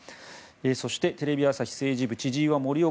そして、テレビ朝日政治部千々岩森生